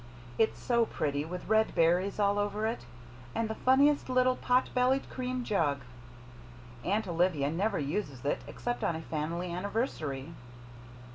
It's so pretty, with red berries all over it, and the funniest little pot bellied cream jug. Aunt Olivia never uses it except on a family anniversary."